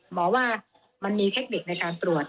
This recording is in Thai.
หมอว่ามันมีเทคนิคในการตรวจ